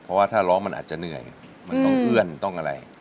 เพราะว่าถ้าร้องมันอาจจะเหนื่อยมันต้องเอื้อนต้องอะไร